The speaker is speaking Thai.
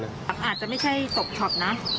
หลักหมายอาจจะไม่ใช่ตกช็อปนะ